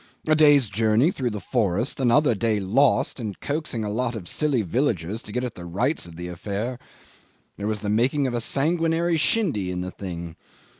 A day's journey through the forest, another day lost in coaxing a lot of silly villagers to get at the rights of the affair. There was the making of a sanguinary shindy in the thing.